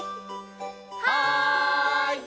はい！